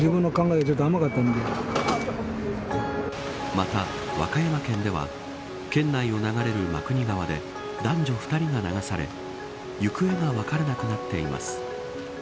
また、和歌山県では県内を流れる真国川で男女２人が流され行方が分からなくなっています。